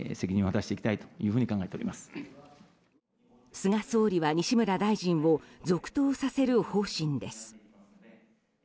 菅総理は西村大臣を続投させる方針です。